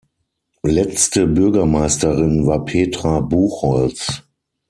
Letzte Bürgermeisterin war Petra Buchholz.